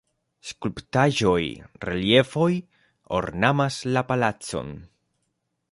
Skulptaĵoj, reliefoj ornamas la palacon.